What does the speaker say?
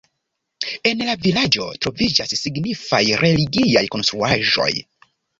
En la vilaĝo troviĝas signifaj religiaj konstruaĵoj.